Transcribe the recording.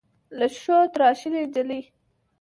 له ښیښو تراشلې نجلۍ.